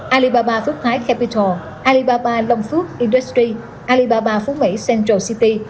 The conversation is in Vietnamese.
alibaba phước thái capital alibaba long phước industry alibaba phú mỹ central city